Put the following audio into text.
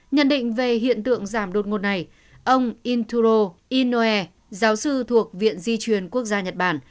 nhận định về hiện tượng giảm đột ngột này ông induro inoe giáo sư thuộc viện di truyền quốc gia nhật bản